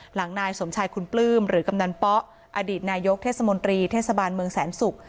นายสมชายคุณปลื้มหรือกำนันป๊อดีตนายกเทศมนตรีเทศบาลเมืองแสนศุกร์